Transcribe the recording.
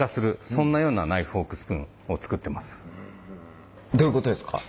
そんなようなナイフフォークスプーンを作ってます。